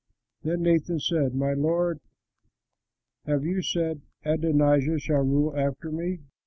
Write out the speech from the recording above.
Then Nathan said, "My lord, have you said, 'Adonijah shall rule after me?'